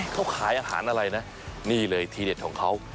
เขาขายอาหารอะไรนะนี่เลยทีเด็ดของเขา